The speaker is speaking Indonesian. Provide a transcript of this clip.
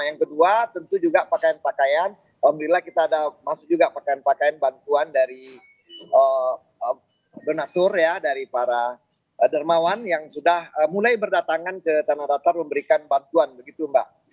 yang kedua tentu juga pakaian pakaian alhamdulillah kita ada masuk juga pakaian pakaian bantuan dari donatur ya dari para dermawan yang sudah mulai berdatangan ke tanah datar memberikan bantuan begitu mbak